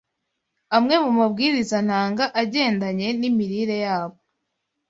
amwe mumabwiriza ntanga agendanye n’imirire yabo